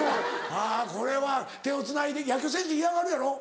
あぁこれは手をつないで野球選手嫌がるやろ？